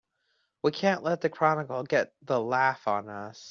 We can't let the Chronicle get the laugh on us!